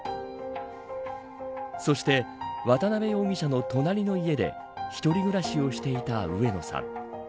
そして、渡部容疑者の隣の家で一人暮らしをしていた上野さん。